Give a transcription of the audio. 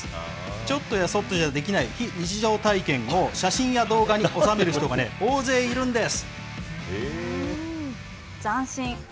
ちょっとやそっとじゃできない非日常体験を写真や動画に収める人斬新。